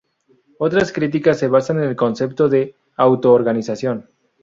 Otras críticas se basan en el concepto de autoorganización.